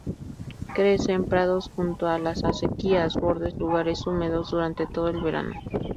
Crece en prados, junto a las acequias, bordes, lugares húmedos, durante todo el verano.